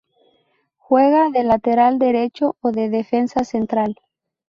Juega de lateral derecho o de defensa central.